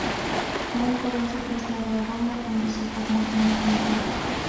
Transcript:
Muy joven se trasladó a Roma, donde se formó como pintor.